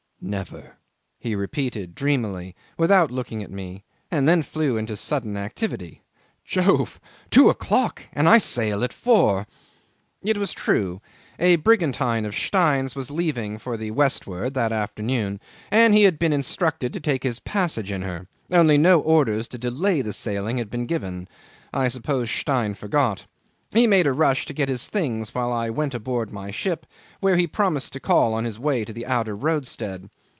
"Never," he repeated dreamily without looking at me, and then flew into sudden activity. "Jove! Two o'clock, and I sail at four!" 'It was true. A brigantine of Stein's was leaving for the westward that afternoon, and he had been instructed to take his passage in her, only no orders to delay the sailing had been given. I suppose Stein forgot. He made a rush to get his things while I went aboard my ship, where he promised to call on his way to the outer roadstead.